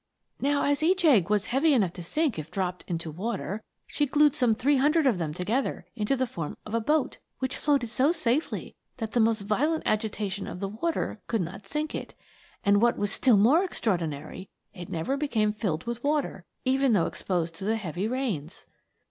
Now, as each egg was heavy enough to sink if dropped into water, she glued some three hundred of them together into the form of a boat, which floated so safely that the most violent agitation of the water could not sink it ; and, what was still more extraordinary, it never became filled with water, even though exposed to the heavy rains.